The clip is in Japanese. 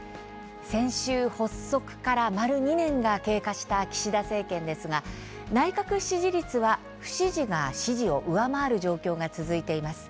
先週、発足から丸２年が経過した岸田政権ですが内閣支持率は不支持が支持を上回る状況が続いています。